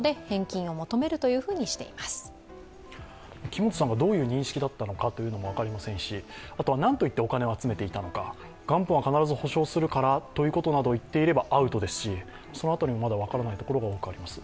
木本さんがどういう認識だったのかは分かりませんしあとは何と言ってお金を集めていたのか、元本は必ず保証するからということを言っていればアウトですしその辺りもまだ分からないところが多くあります。